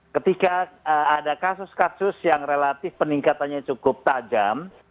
ketika ada kasus kasus yang relatif peningkatannya cukup tajam